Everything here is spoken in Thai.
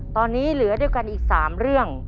ตอนนี้เหลือด้วยกันอีก๓เรื่อง